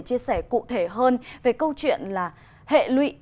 chí sinh này